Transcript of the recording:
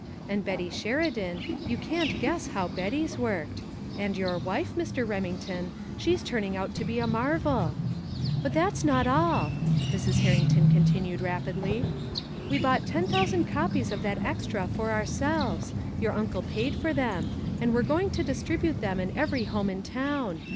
And Betty Sheridan, you can't guess how Betty's worked and your wife, Mr. Remington, she's turning out to be a marvel! "But that's not all," Mrs. Herrington continued rapidly. "We bought ten thousand copies of that extra for ourselves your uncle paid for them and we're going to distribute them in every home in town.